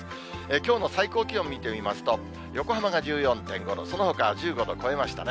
きょうの最高気温見てみますと、横浜が１４．５度、そのほか１５度を超えましたね。